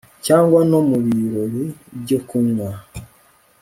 cyangwa no mubirori byo kunywa